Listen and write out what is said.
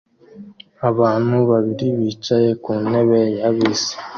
Abantu babiri bicaye ku ntebe ya bisi